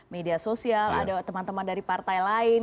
media sosial ada teman teman dari partai lain